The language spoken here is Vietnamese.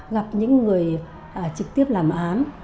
gặp những người trực tiếp làm án